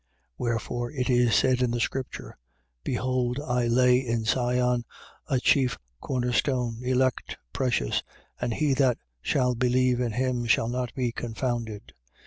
2:6. Wherefore it is said in the scripture: Behold, I lay in Sion a chief corner stone, elect, precious. And he that shall believe in him shall not be confounded.